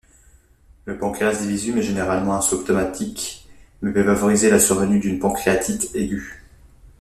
Le pancréas divisum est généralement asymptomatique mais peut favoriser la survenue d'une pancréatite aiguë.